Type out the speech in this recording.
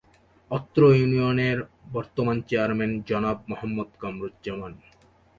অত্র ইউনিয়নের বর্তমান চেয়ারম্যান জনাব মোহাম্মদ কামরুজ্জামান।